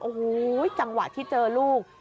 โอ้โหจังหวะที่เจอลูก